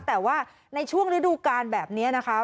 แต่ว่าในช่วงฤดูการแบบนี้นะคะ